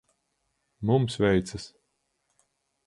Mums veicas.